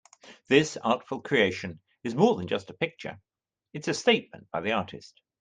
This artful creation is more than just a picture, it's a statement by the artist.